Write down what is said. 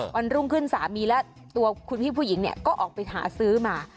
พอวันรุ่งขึ้นสามีแล้วตัวคุณพี่พุทธเยี่ยงแน๊ะก็ออกไปหาซื้อมา